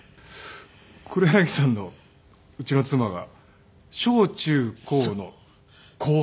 黒柳さんのうちの妻が小中高の後輩という。